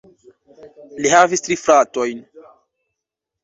Li havis tri fratojn.